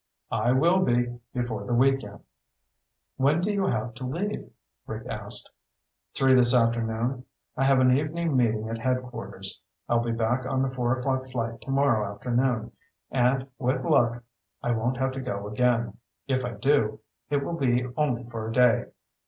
"I will be. Before the weekend." "When do you have to leave?" Rick asked. "Three this afternoon. I have an evening meeting at headquarters. I'll be back on the four o'clock flight tomorrow afternoon, and, with luck, I won't have to go again. If I do, it will be only for a day."